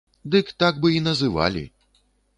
Дык так бы і называлі!